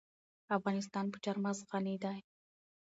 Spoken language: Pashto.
افغانستان په چار مغز غني دی.